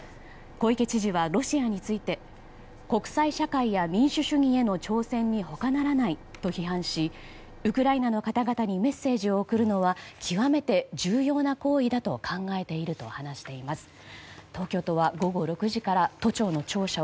小池知事はロシアについて国際社会や民主主義への挑戦に他ならないと批判しウクライナの方々にメッセージを送るのは極めて重要な行為だと考えていると話しています。